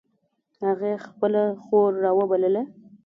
هغې خپله خور را و بلله